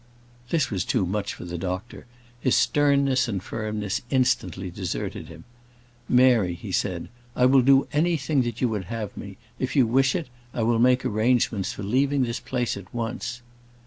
This was too much for the doctor; his sternness and firmness instantly deserted him. "Mary," he said, "I will do anything that you would have me. If you wish it, I will make arrangements for leaving this place at once."